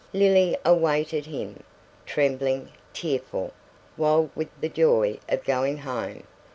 Lily awaited him, trembling, tearful, wild with the joy of going home.